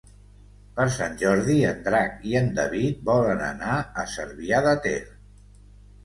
Per Sant Jordi en Drac i en David volen anar a Cervià de Ter.